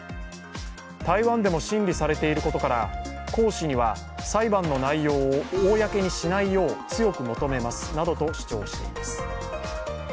台湾でも審理されていることから、江氏には裁判の内容を公にしないよう強く求めますなどと主張しています。